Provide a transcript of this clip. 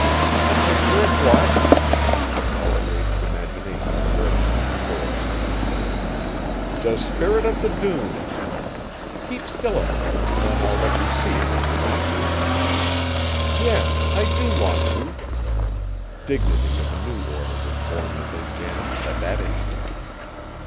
"A picture of what?" Outraged imagination arose to the fore. "The Spirit of the Dunes. Keep still a minute; then I'll let you see it if you want to." "Yes: I do want to." Dignity of a new order was born within Janet at that instant.